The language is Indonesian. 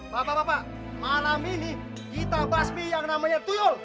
bapak bapak malam ini kita basmi yang namanya tuyul